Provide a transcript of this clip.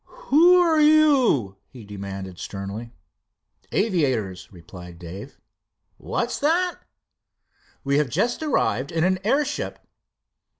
"Who are you?" he demanded sternly. "Aviators," replied Dave. "What's that?" "We just arrived in an airship."